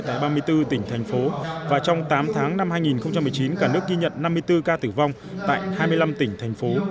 tại ba mươi bốn tỉnh thành phố và trong tám tháng năm hai nghìn một mươi chín cả nước ghi nhận năm mươi bốn ca tử vong tại hai mươi năm tỉnh thành phố